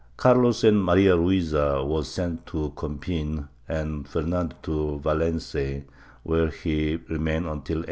Carlos and Maria Luisa were sent to Compiegne and Fernando to Valenyay, where he remained until 1814.